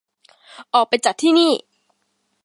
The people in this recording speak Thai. ออกไปจากที่นี่